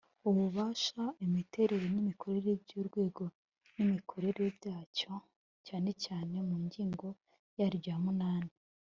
ububasha imiterere n imikorere by urwegon imikorere byacyo cyane cyane mu ngingo yaryo ya munani